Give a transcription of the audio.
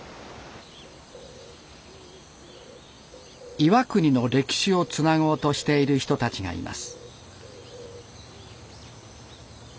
岩国の歴史をつなごうとしている人たちがいます。